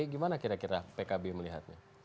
gimana kira kira pkb melihatnya